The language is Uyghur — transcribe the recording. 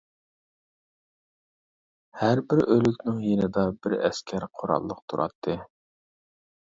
ھەر بىر ئۆلۈكنىڭ يېنىدا بىر ئەسكەر قوراللىق تۇراتتى.